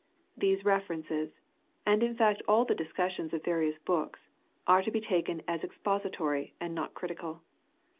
These references, and in fact all the discussions of various books, are to be taken as ex pository and not critical.